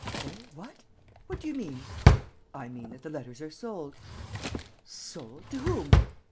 "Eh? What? What do you mean?" "I mean that the letters are sold." "Sold! To whom?"